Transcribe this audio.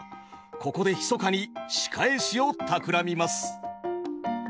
ここでひそかに仕返しをたくらみます。